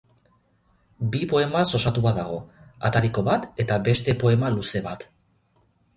Bi poemaz osatua dago, atariko bat eta beste poema luze bat.